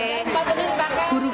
seperti ini sepakat